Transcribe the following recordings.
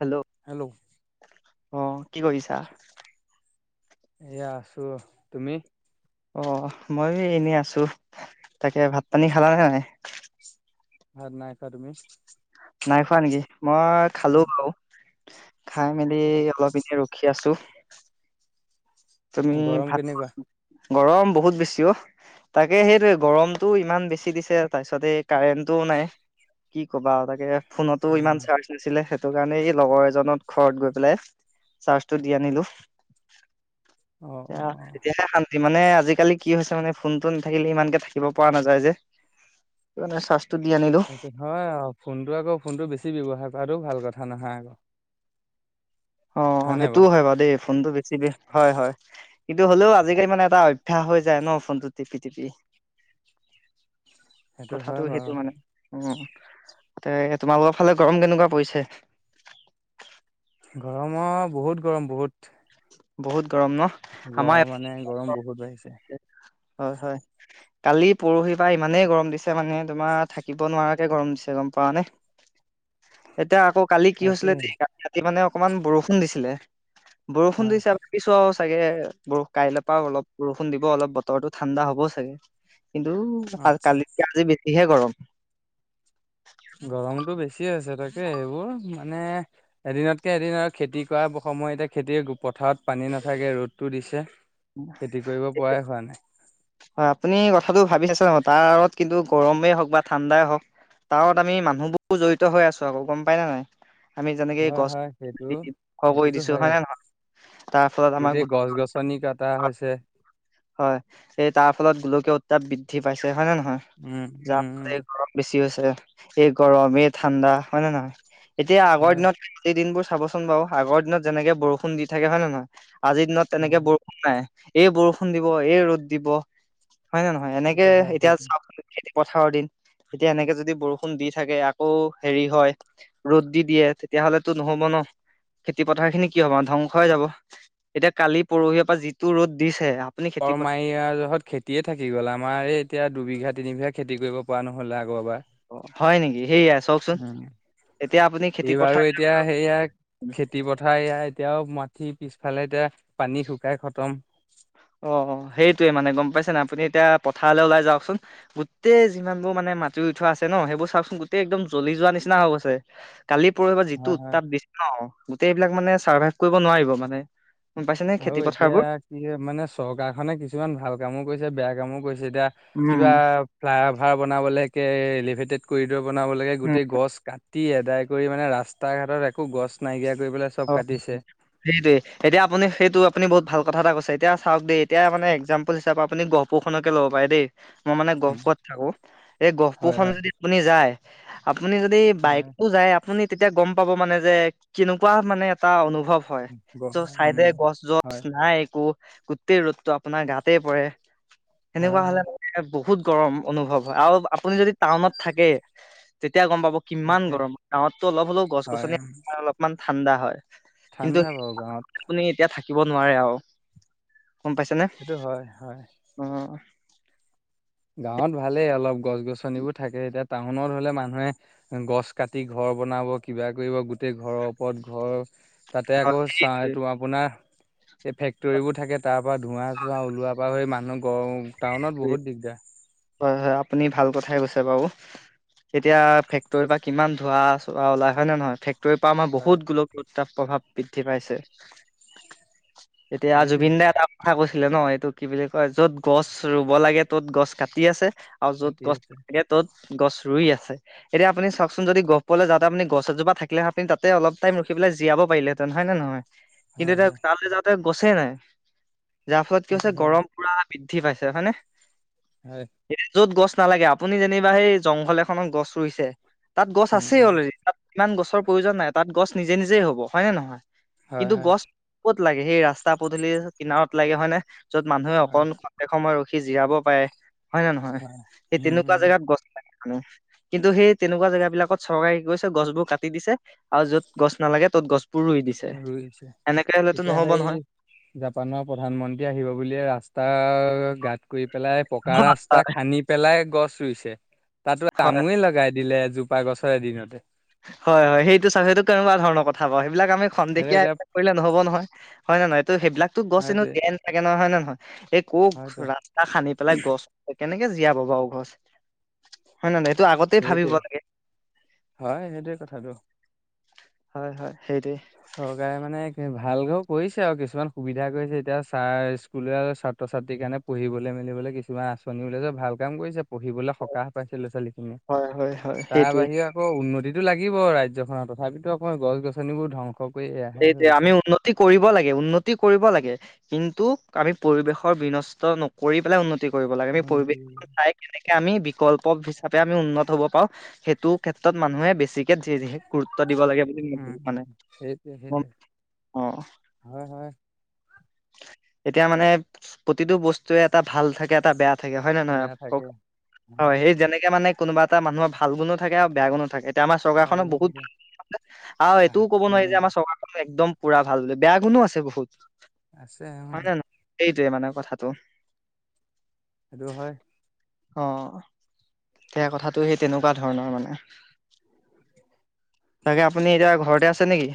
Hello hello অ কি কৰিছা। এয়া আছো তুমি অ মই এনেই আছো তাকে ভাত পানী খালা নাই। ভাত নাইখোৱা তুমি নাই খোৱা নেকি মই খালো আৰু খাই মেলি অলপ এনে ৰখি আছো তুমি গৰম ভাত কেনেকুৱা গৰম বহুত বেছি অ তাকে সেইটোৱেই গৰমতটো ইমান বেছি দিছে তাৰপিছত এই কাৰেণ্টটোও নাই কি ক'বা তাকে ফোনতো ইমান চাৰ্জ নাছিলে সেইটো কাৰণে এই লগৰ এজনত ঘৰত গৈ পেলাই চাৰ্জটো দি আনিলো অ এ অ অ এতিয়াহে শান্ত মানে আজিকালি কি হৈছে মানে ফোনতটো নাথাকিলে ইমানকে থাকিব পৰা নাযায় যে সেইটো কাৰণে দি আনিলো সেইটো হয় ফোনটো আকৌ ফোনটো বেছি ব্যৱহাৰ কৰাটো ভাল কথা নহয় আকৌ অ সেইটোও হয় বাৰু দেই ফোনটো বেছি হয় হয় কিন্তু হ'লেও আজিকালি মানে এটা উিঠা হৈ যায় ন ফোনটো টিপি টিপি সেইটো কথাটো হয় বাৰু সেইটো মানে উম এ তোমালোকৰ ফালে গৰম কেনেকুৱা পৰিছে গৰম অ বহুত গৰম বহুত বহুত গৰম ন আমাৰ গৰম মানে গৰম বহুত বাঢ়িছে হয় হয় কালি পৰহিৰ পৰা ইমানেই গৰম দিছে মানে তোমাৰ থাকিব নোৱাৰাকে গৰম দিছে গম পোৱা নে [inaudible] এতিয়া আকৌ কালি কি তাকে হৈছিলে দেই কালি ৰাতি মানে অকনমান বৰষুণ দিছিলে বৰষুণ হয় দিছে কিছু তাকেহে বৰ কাইলৈৰ পৰা অলপ বৰষুণ দিব অলপ বতৰটো ঠাণ্ডা হবও চাগে কিন্তু আচ্ছা কালি আজি বেছিহে গৰম গৰমতটো বেছি হৈছে তাকে সেইবোৰ মানে এদিনতকে এদিন আৰু খেতি কৰা সময়তে খেতিৰ পথাৰত পানী নাথাকে ৰ'দটো দিছে খেতি কৰিব পৰাই হোৱা নাই হয় আপুনি কথাটো ভাবি চাওক নহয় তাত কিন্তু গৰমেই হওক বা ঠাণ্ডাই হওক তত আমি মানুহবোৰ জড়িত হৈ আছো আকৌ গম পাই নে নাই আমি যেনেকে হয় গছ হয় সেইটো ধখ কৰি দিছো হয়ে নে নহয় তাৰ ফলত আমাৰ গোটেই গছ গছনি কটা হৈছে। হয় এই তাৰ ফলত গোলকীয় উত্তাপ বৃদ্ধি পাইছে হয়নে নহয় উম যা উম ফ উম গৰম বেছি হৈছে এই গৰম এই ঠাণ্ডা হয় নে নহয় এতিয়া আগৰ হয় দিনত গোই দিন বোৰ খাবচোন বাৰু আগৰ দিনত যেনেকে বৰষুণ দি থাকে হয় নে নহয় আজিৰ দিনত তেনেকে হয় বৰষুণ নাই এই বৰষুণ দিব এই ৰ'দ দিব হয় নে নহয় এনেকে সেইটো হয় এতিয়া সেইটো চাক পথাৰৰ দিন এতিয়া এনেকে যদি বৰষুণ দি থাকে আকৌ হেৰি হয় ৰ'দ দি দিয়ে তেতিয়াহলেতো নহব ন খেতি পথাৰ খিনি কি হব ধ্বংসই যাব এতিয়া কালি পৰহি পৰা যিটো ৰ'দ দিছে আপুনি খেতি কৰৰ পথাৰ মাৰি জহত খেতিয়ে থাকি গ'ল আমাৰ এই এতিয়া দুবিঘাত তিনি বিঘা খেতি কৰিব পৰা নহ'লে আগৰবাৰ অ হয় নেকি সেইয়া উম এই বাৰু পথাৰ এতিয়া সেয়া খেতি পথাৰ এতিয়াও মাত উঠি পিছফালে এতিয়া পানী শুকাই খতম অ সেইটোৱে মানে গম পাইছে ন আপুনি এতিয়া পথাৰলৈ ওলাই যাওকচোন গোটেই যিমানবোৰ মানে মাটি উঠোৱা আছে ন সেইবোৰ চাকচোন গোটেই একদম জ্বলি যোৱা নিচিনা হৈ গৈছে কালি পৰহিব পৰা যিটো হয় হয় উত্তাপ দিছে ন গোটেই এইবিলাক মানে চাৰ্ভাইভ কৰিব নোৱাৰিব মানে গম পাইছে নে আৰু খেতি এতিয়া পথাৰবোৰ কি মানে চৰকাৰ খনে কিছুমান ভাল কামো কৰিছে বেয়া কামো কৰিছে এতিয়া উম কিবা ফ্লাই অভাৰ বনাবলৈ এলিভেটেড কৰিডৰ বনাব লাগে উম গোটেই গছ কাট তি আদাই কৰি মানে ৰাস্তা ঘাটত একো গছ নাইকিয়া কৰি পেলাই চব অ কাটিছে। সেইটোৱে এতিয়া আপুনি সেইটো আপুনি বহুত ভাল কথা এটা কৈছে এতিয়া চাওক দে এতিয়া মানে এক্সামপুল হিচাপে আপুনি গহপুৰ খনকে লব পাৰে দেই। মই মানে উম গহপুৰত থাকো এই গহপুৰ খ হয় হয় যদি আপুনি যায়। আপুনি যদি হয় বাইকটো যায় আপুনি তেতিয়া গম পাব মানে যে কেনেকুৱা মানে এটা অনুভৱ অনুভৱ হয় গ চাইডে উম গছ গছ হয় নাই একো গোটেই ৰ'দতটো আপোনাৰ গাতেই পৰে হয় সেনেকুৱা হলে হয় বহুত গৰম অনুভৱ হয় আৰু আপুনি যদি টাউনত থাকে। এতিয়া গম পাব কিমান তাকে গৰম গাঁৱতো অলপ হলেও গছ হয় গছনি অলপমান ঠাণ্ডা হয়। ঠাণ্ডা বহুত গাঁৱত শিকিব নোৱাৰে আৰু গম পাইছেনে সেইটো হয় হয়। অ গাঁৱত ভালেই অলপ গছ গছনিবোৰ থাকে এতিয়া টাউনত হ'লে মানুহে গছ কাটি ঘৰ বনাব কিবা কৰিব গোটেই ঘৰৰ ওপৰত ঘৰ তাতে আকৌ চা এইটো আপোনাৰ এই ফেক্টৰীবোৰ থাকে তাৰ পৰা ধোঁৱা চোৱা ওলোৱাৰ পৰা হৈ মানুহ গ টাউনত বহুত দিগদাৰ হয় হয় আপুনি ভাল কথাই কৈছে বাৰু এতিয়া ফেক্টৰীৰ পৰা কিমান ধোৱা চোৱা ওলাই হয় নে নহয় ফেক্। তৰ পৰা আমাৰ হয় বহুত গোলকীয়ত তাপ প্ৰভাৱ বৃদ্ধি পাইছে। এতিয়া সেইটোৱে জুবিন দাই এটা কথা কৈছিলে ন এইটো কি বুলি কয় য'ত গছ। গ ৰুব লাগে ত'ত গছ কাটি আছে আৰু য'ত মাতি গছ আছে। লাগে ত'ত গছ। ৰুই আছে এতিয়া আপুনি চাওকচোন যদি গহপুৰলে যাওতে আপুনি গছ এজোপা থাকিলেহেঁতেন তাতে অলপ টাইম ৰখি পেলাই জীয়াব। পাৰিলেহেঁতেন হয়নে নহয়। কিন্তু হয় এতিয়া হয় তালে যাওঁতে গছেই নাই যাৰ ফলত কি সেইটো হৈছে হয় গৰম পুৰা পিন্ধ। উঠি পাইছে হয়নে হয় য'ত গছ। নালাগে আপুনি যেনিবা সেই জংঘল এখনত গছ ৰুইছে তাত গছ উম আছেই উম অলৰেডি তাত। ইমান গছৰ প্ৰয়োজন নাই তাত গছ নিজে নিজেই হ'ব হয়নে নহয় হয় কিন্তু হয় গছ কত। লাগে সেই ৰাস্তা পদূলি কিনাৰত লাগে হয় নে য'ত মানুহে হয় অকন। সময় ৰখি জিৰাব পাৰে হয় নে নহয় হয় সেই উম তেনেকোৱা উম জোগাত গছ লাগে। কিন্তু সেই তেনেকোৱা জেগা বিলাকত চৰকাৰে কি কৈছে গছ বোৰ কাটি দিছে আৰু য'ত গছ নালাগে তত গছ ৰোইছে তেতিয়া নহ'ব সেই নহয় জাপানৰ প্ৰধানমন্ত্ৰী আহিব বুলিয়ে ৰাস্তা গাত কৰি পেলাই পকা ৰাস্তা খান্দি পেলাই গছ ৰোইছে। তাতো হয় আমোয়ে লগাই দিলে এজোপা গছৰ এদিনতে হয় হয় সেইটো চা সেইটো কেনেকোৱা ধৰণৰ কথা বাও সেইবিলাক আমি সেইটো খন্তেকীয়া এতিয়া এটা কৰিলে নহ'ব নহয় হয়নে নহয়। ত' সেইবিলাকতো গছ এনো সেইটোৱে জীয়াই নাথাকে নহয় হয় নে নহয়। এই কওক হয়তো ৰাস্তা খান্দি পেলাই গছ কেনেকে জীয়াব বাৰু গছ। হয়নে নহয় এইটো আগতেই ভাবিব সেইটোৱে লাগে। হয়তো। হয় হয় সেইটোৱে। চৰকাৰে মানে ভালকেও কৰিছে আৰু কিছুমান সুবিধা কৰিছে এতিয়া ছাৰ স্কুলে ছাত্ৰ ছাত্ৰীৰ কাৰণে পঢ়িবলৈ। মেলিবলৈ কিছুমান আঁচনি ওলাইছে ভাল কাম কৰিছে পঢ়িবলৈ সকাহ পাইছে ল'ৰা ছোৱালী। হয় হয় হয় তাৰ সেইটোৱে। বাহিৰে আকৌ। উন্নতিটো লাগিব ৰাজ্যখনৰ তথাপিতো অকৌ গছ গছনিবোৰ ধংস। সেইটোয়ে আমি উন্নতি কৰিব লাগে উন্নতি কৰিব লাগে। কিন্তু আমি পৰিৱেশৰ বিনষ্ট নকৰি পেলাই উন্নতি কৰিব লাগে আমি পৰিৱেশ হৈছে চাই কে্ আমি বিকল্প হিচাপে আমি উন্নত হ'ব পাৰো সেইটো ক্ষেত্ৰত মানুহে বেছিকে গুৰুত্ব। দিব লাগে বুলি মই উম ভাবো উম মানে। সেইটোৱে সেইটোৱে অ হয় হয়। এতিয়া মানে প্ৰতিটো বস্তুৱে এটা ভাল থাকে এটা বেয়া। থাকে হয় নে নহয় বেয়া থাকে কওক হয় সেই যেনেকে মানে কোনোবা এটা মানুহৰ ভাল গুণো থাকে আৰু বেয়া গুণো থাকে। এতিয়া আমাৰ চৰকাৰখনক বেয়াগুণ থাকে বহুত আৰু এইটোও ক'ব নোৱাৰি যে উম আমাৰ চৰকাৰখন একদম। পুৰা ভাল বেয়া গুণো আছে বহুত। আছে অ। হয় নে নহয় সেইটোৱে মানে কথাটো। সেইটো হয়। অ সেয়া কথাটো সেই তেনেকোৱা ধৰণৰ মানে। তাকে আপুনি এতিয়া ঘৰতে আছে নেকি।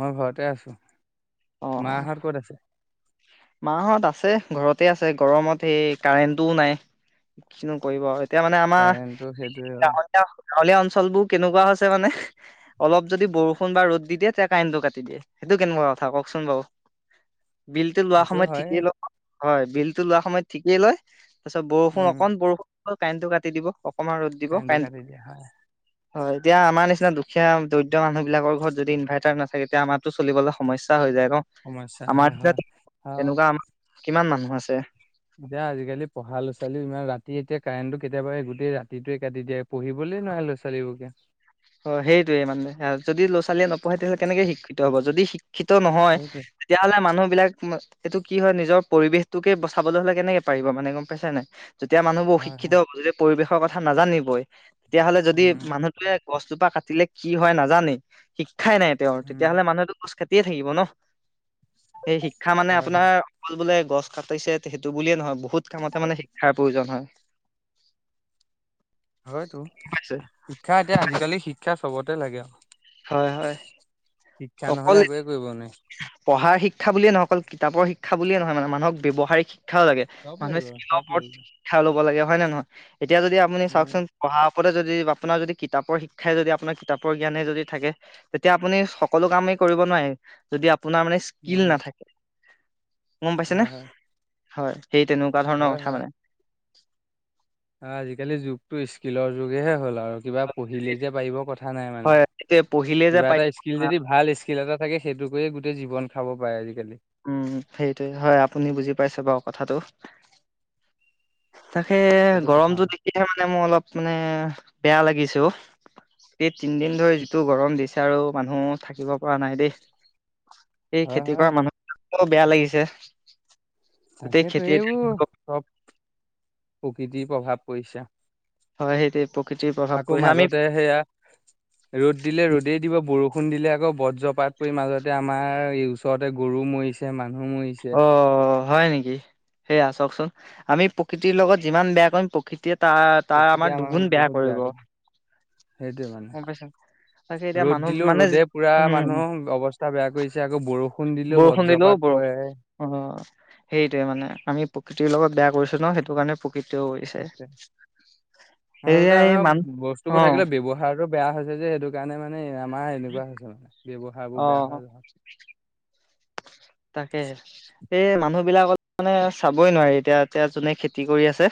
মই ঘৰতে আছো মাহঁত ক'ত আছে। মাঁহত আছে ঘৰতে আছে গৰমত সেই কাৰেণ্টও নাই কিনো কৰিব আও। এতিয়া মানে আমাৰ কাৰেণ্টটো সেইটো গাঁৱলীয়া। গাঁৱলীয়া অঞ্চলবোৰ কেনেকোৱা হৈছে মানে অলপ যদি বৰষুণ বা ৰ'দ দি দিয়ে তে কাৰেণ্টো কাটি দিয়ে। এইটো কেনেকোৱা কথা কওকচোন বাও বিল। লটো লোৱা সেইটো সময়ত হয় ঠিকেই ল হয় বিলটো লোৱা সময়ত ঠিকেই লয় তাৰপিছত বৰষুণ উম অকণ বৰষুণ। কাৰেণ্টো কাটি দিব অকমান ৰ'দ দিব কাৰেণ্টটো কাৰেণ্টো। কাটি দিয়া হয় হয় এতিয়া আমাৰ নিচিনা দুখীয়া দৰিদ্ৰ মানুহ বিলাকৰ ঘৰত যদি ইনভাৰটাৰ নাথাকে তেতিয়া আমাৰটো চলিবলৈ সমস্যা হৈ যায়। সমস্যা হয় হয়। আৰু তেনেকোৱা আমাৰ কিমান মানুহ আছে। এতিয়া আজিকালি পঢ়া ল' ছোৱালীও ইমান ৰাতি এতিয়া কাৰেণ্টটো কেতিয়াবা গোটেই ৰাতিটোৱে কাটি দিয়ে পঢ়িবলৈ নোৱাৰে লৱা ছোৱালীবোৰে এতিয়া। অ, সেইটোয়ে মানে যদি ল'ৰা ছোৱালীয়ে নপঢ়ে তেতিয়া হ'লে কেনেকে শিক্ষিত হ'ব যদি শি ক্ষিত নহয় সেইটোৱে তেতিয়াহ'লে মানুহ বিলাক এইটো কি হয় নিজৰ পৰিবেশটোকে বচাবলৈ হ'লে কেনেকে পাৰিব মানে গম পাইছা নে নাই। যেতিয়া মানুহবোৰ হয় শিক্ষিত হয় হব যদি পৰিৱেশৰ কথা নাজানিবই তেতিয়া হ'লে যদি উম মানুহটোৱে গছজোপা কাটিলে কি হয় নাজানে শিক্ষাই নাই তেওৰ উম তেতিয়াহ'লে মানুহেতো গছ কাট কাতিয়েই থাকিব ন সেই শিক্ষা মানে হয় আপোনাৰ হয় অকল বোলে। গছ কাটিছে সেইটো বুলিয়ে নহয় বহুত কামতে মানে শিক্ষাৰ প্ৰয়োজন হয়। হয়তটো গম পাইছে শিক্ষা এতিয়া আজিকালি শিক্ষা চবতে লাগে আৰু। হয় হয় শিক্ষা অকল নহলে একোৱে কৰিব নোৱাই। পঢ়াৰ শিক্ষা বুলিয়ে নহয় অকল কিতাপৰ শিক্ষা বুলিয়ে নহয় মানে মানুহক ব্যৱহাৰিক শিক্ষা। শিক্ষাও লাগে চব মানুহে লাগিব স্কিলৰ চব ওপৰত লাগিব শিক্ষা ল'ব লাগে হয় নে নহয় এতিয়া যদি আপুনি উম চাওচোন পঢ়া। সতে যদি আপোনাৰ যদি কিতাপৰ শিক্ষাই যদি আপোনাৰ কিতাপৰ জ্ঞানে যদি থাকে তেতিয়া আপুনি সকলো কামি। ন যদি আপোনাৰ মানে স্কিল নোৱাৰি নাথাকে। গম হয় পাইছেনে হয় হয় সেই তেনেকুৱা ধৰণৰ হয় কথা হয় মানে। আজিকালি যুগটো স্কিলৰ যুগেহে হ'ল আৰু। কিবা পঢ়িলেই যে পাৰিব কথা নাই মানে। হয় এতিয়া পঢ়িলে যে কিবা পাই এটা স্কিল যদি ভাল স্কিল এটা থাকে সেইটো কৰিয়ে গোটেই জীৱন খাব পাৰে আজি। উম, সেইটোৱে হয় আপুনি বুজি পাইছে বাৰু কথাটো। তাকে সেইটো কথা গৰমতটো দেখিলহে মানে মোৰ অলপ মানে বেয়া লাগিছে অ, এই তিনদিন ধৰি যিটো গৰম দিছে আৰু মানুহ থাকিব পৰা নাই দেই। এই হয় খেতি কৰা হয় মানুহ বেয়া লাগিছে। গোটেই তাকেতো খেতি এইবোৰ চব প্ৰকৃতিৰ প্ৰভাৱ পৰিছে। হয় সেইটো প আকৌ মাজতে সেয়া ৰ'দ দিলে ৰ'দেই দিব বৰষু বষুণ দিলে আকৌ বজ্ৰপাত পৰি মাজতে আমাৰ এই ওচৰতে গৰু মৰিছে মানুহ। মৰিছে অ, হয় নেকি সেয়া চাওকচোন আমি প্ৰকৃতিৰ লগত যিমান বেয়া কৰিম প্ৰকৃতিয়ে তাৰ - তাৰ প্ৰকৃতিয়ে আমাৰ আমাক দুগুণ বেয়া বহুত কৰিব। কৰে সেইটোৱে গম পাইছা তাকে মানে। এতিয়া ৰ'দ মানুহ দিলো মানে ৰ'দে পুৰা উম মানুহ অৱস্থা বেয়া কৰিছে আকৌ বৰষুণ দিলো বৰষুণ দিলেও বজ্ৰপাত। পৰে। অ, সেইটোৱে মানে আমি প্ৰকৃতিৰ লগত বেয়া কৰিছো ন সেইটো কাৰণে প্ৰকৃতিও কৰিছে তাক আচলতে সেয়াই মান আমি অ বস্তুবোৰ থাকিলে ব্যৱহাৰ টো। বেয়া হৈছে যে সেইটো কাৰণে মানে আমাৰ এনেকুৱা হৈছে মানে ব্যৱহাৰ বোৰ অ বেয়া হোৱা। তাকে এই মানুহ বিলাকত মানে চাবই নোৱাৰি এতিয়া - এতিয়া যোনে খেতি কৰি আছে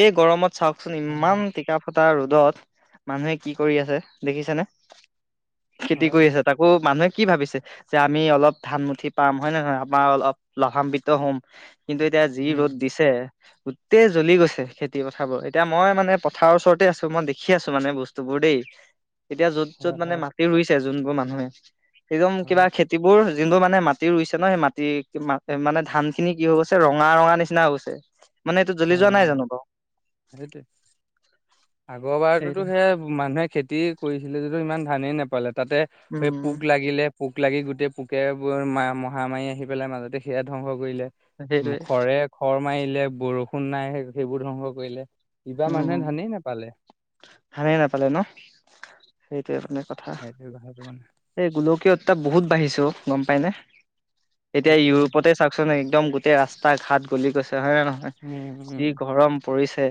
এই গৰমত চাওকচোন ইমান হয় টিকা ফটা ৰ'দত মানুহে কি কৰি আছে দেখিছেনে। খেতি হয় কৰি আছে তাকো মানুহে কি ভাবিছে যে আমি অলপ ধান মুঠি পাম হয়ে নহয় আমাৰ অলপ লাভান্বিত হ'ম কিন্তু এতিয়া যি উম ৰ'দ দিছে। গোটেই জ্বলি গৈছে খেতি পথাৰাবোৰ এতিয়া মই মানে পথাৰৰ ওচৰতে আছো মই দেখি আছো মানে বস্তুবোৰ দেই এতিয়া যত য'ত হয় মানে হয় মাটি ৰুইছে যোনবোৰ মানুহে একদম কিবা হয় খেতিবোৰ যোনবোৰ মানে ম মাটি ৰুইছে ন সেই মাটি মানে ধান খিনি কি হৈ গৈছে ৰঙা - ৰঙা নিচিনা হৈ গৈছে। টো জ্বলি যোৱা হয় নাই অ' জানো বাও। আগৰ বাৰতোতো সেই মানুহে খেতি কৰিছিলে যদিও ইমান। ধানেই নাপালে তাতে সেই উম পোক লাগিলে পোক লাগি গোটেই পোকে বা মহামাৰী আহি পেলাই মাজতে সেয়া ধ্বংস কৰিলে সেইটোৱে খৰ-খৰ মাৰিলে বৰষুণ নাই সেইবোৰ ধ্বংস কৰিলে। কিবা মানুহে উম ধানেই নেপালে। ভালেই নাপালে ন সেইটোৱে মানে কথা এই গোলকীয় উতাপ বহুত বাঢ়িছে গম পাই নে এতিয়া সেইটোৱে সেইটো ইউৰোপতে চাওকচোন একদম গোটেই ৰাস্তা ঘাট গলি গৈছে হয়ে নে নহয় উম যি উম গৰম পৰিছে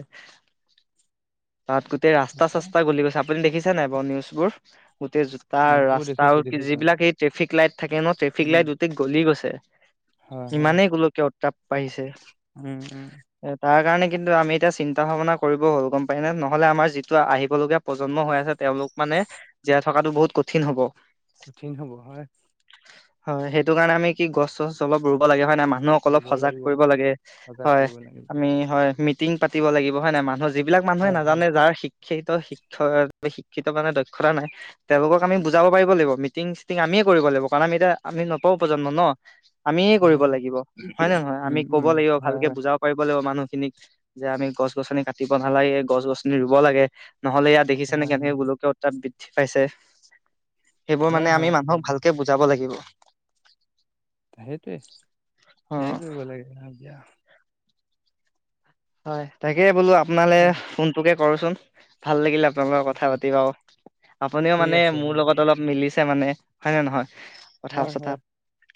তাত গোটেই ৰাস্তা তাকে চাস্তা গলি গৈছে আপুনি দেখিছে নাই বাৰু নিউজবোৰ গোটেই জোতা সেইবোৰ ৰাস্তা দেখিছো দেখিছো যিবিলাক এই ট্ৰেফিক লাইট থাকে ন ট্ৰেফিক উম লাইট গোটেই গলি গৈছে হয় হয় ইমানেই গোলকীয় উত্তাপ বাঢ়িছে উম উম এ তাৰ কাৰণে কিন্তু আমিএতিয়া চিন চিন্তা ভাৱনা কৰিব হ'ল গম পাই নে নহলে আমাৰ যিটো আহিবলগীয়া প্ৰজন্ম হৈ আছে তেওঁলোক মানে জীয়াই থকা থকাতো বহুত কঠিন হ'ব কঠিন হব হয় হয় সেইটো কাৰণে আমি কি গছ চছ অলপ ৰুব লাগে হয় নে আমাৰ মানুহক অলপ ৰুব সজাগ লাগিব কৰিব লাগে সজাগ হয় কৰিব লাগিব আমি হয় মিটিং পাতিব লাগিব হয় ন মানুহ যিবিলাক মানুহে হয় হয় নাজানে যাৰ শিক্ষি শিক্ষিত - শিক্ষ - শিক্ষিত মানে দক্ষতা নাই তেওলোকক আমি বুজাব পাৰিব লাগিব। মিটিং চিটিং আমি কৰিব লাগিব কাৰণ আমি এতিয়া আমি নতুন প্ৰজন্ম ন। আমিয়ে হয় কৰিব লাগিব হয় নে নহয় আমি উম কব উম লাগিব হয় ভালকে হয় বুজাব পাৰিব লাগিব মানুহখিনিক। যে আমি গছ গছনি কাটিব নালাগে গছন গছনি ৰুব লাগে নহলে ইয়াত দেখিছেনে কেনেকে গোলকীয় উত্তাপ বৃদ্ধি পাইছে। সেইবোৰ হয় মানে আমি হয় হয় মানুহক ভালকে বুজাব লাগিব সেইটোৱে অ সেয়াই কৰিব লাগে ন দিয়া হয় তাকে বোলো আপোনালৈ উম, ফোনটোকে কৰোচোন ভাল লাগিল আ আপোন লগত কথা পাতিবা আপুনিও ঠিক মানে আছে মোৰ হ'ব। লগত অলপ মিলিছে মানে হয় নে নহয় কথা হয় চথা হয়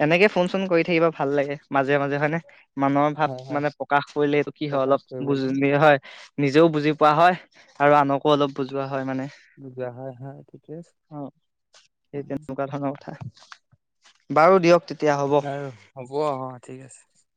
এনেকে ফোন চোন কৰি থাকিব ভাল লাগে মাজে মাজে হয়নে মানুহ ভাৱ হয় হয় মানে প্ৰকাশ কৰিলে এইটো কি হয় প্ৰকাশ অলপ কৰিবলৈ বুজিলে হয় নিজেও বুজি পোৱা হয় আৰু আনকো অলপ বুজোৱা হয় হয় মানে যোৱা হয় হয় ঠিকে আছে। অ সেই উম, তেনেকুৱা ধৰণৰ কথা বাৰু দিয়ক তেতি বাৰু হ'ব অ ঠিক আছে